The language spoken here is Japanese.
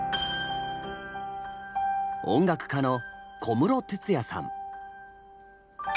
音楽家の小室哲哉さん。